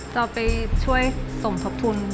ยังไปช่วยสมสมทพนธุ์